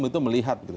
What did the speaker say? itu melihat gitu